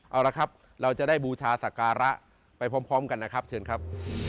เอาละครับเราจะได้บูชาศักระไปพร้อมกันนะครับเชิญครับ